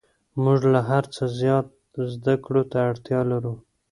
موږ له هر څه زیات زده کړو ته اړتیا لرو